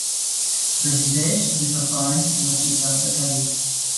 Resideix des de fa anys a la ciutat de Cadis.